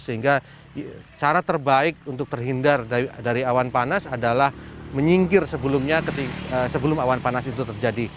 sehingga cara terbaik untuk terhindar dari awan panas adalah menyingkir sebelumnya sebelum awan panas itu terjadi